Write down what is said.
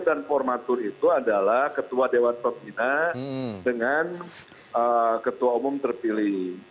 dan formatur itu adalah ketua dewan pembina dengan ketua umum terpilih